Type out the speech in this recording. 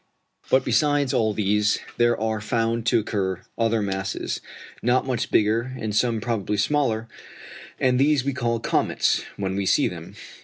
But, besides all these, there are found to occur other masses, not much bigger and some probably smaller, and these we call comets when we see them.